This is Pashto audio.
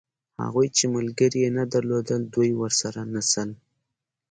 هغوی چې ملګري یې نه درلودل دوی ورسره نڅل.